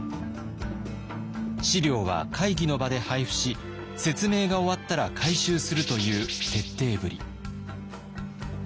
資料は会議の場で配布し説明が終わったら回収するという徹底ぶり。